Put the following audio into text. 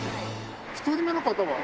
１人目の方は？